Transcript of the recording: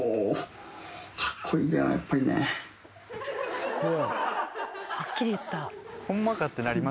すごい。